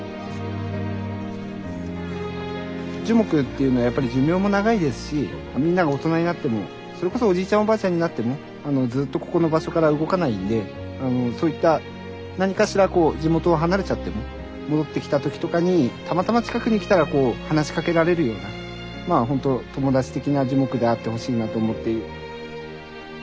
樹木っていうのはやっぱり寿命も長いですしみんなが大人になってもそれこそおじいちゃんおばあちゃんになってもずっとここの場所から動かないんでそういった何かしら地元を離れちゃっても戻ってきた時とかにたまたま近くにきたら話しかけられるようなほんと友達的な樹木であってほしいなと思って。